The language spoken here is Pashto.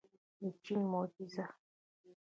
د چین معجزه.